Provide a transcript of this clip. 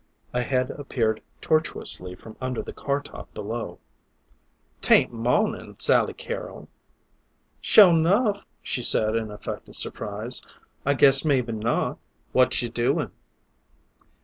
A head appeared tortuously from under the car top below. "Tain't mawnin', Sally Carrol." "Sure enough!" she said in affected surprise. "I guess maybe not." "What you doin'?"